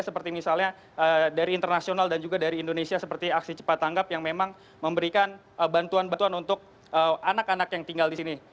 seperti misalnya dari internasional dan juga dari indonesia seperti aksi cepat tanggap yang memang memberikan bantuan bantuan untuk anak anak yang tinggal di sini